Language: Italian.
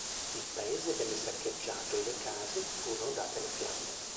Il paese venne saccheggiato e le case furono date alle fiamme.